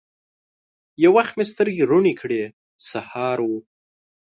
یو وخت مې سترګي روڼې کړې ! سهار و